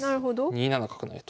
２七角成と。